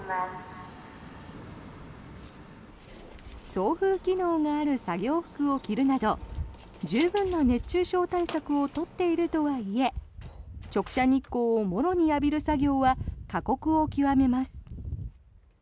送風機能がある作業服を着るなど十分な熱中症対策を取っているとはいえ直射日光をもろに浴びる作業は過酷を極めます。